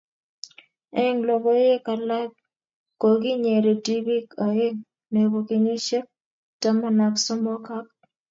Eng logoiwek alak kokinyere tibik oeng, nebo kenyisiek taman ak somok ak